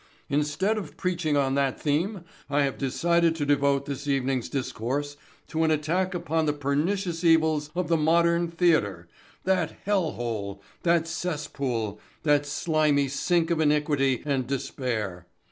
Instead of preaching on that theme I have decided to devote this evening's discourse to an attack upon the pernicious evils of the modern theatre,—that hell hole, that cesspool, that slimy sink of iniquity and despair.